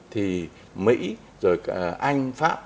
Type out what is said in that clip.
thì mỹ rồi anh pháp